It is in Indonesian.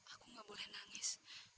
aku gak boleh nangis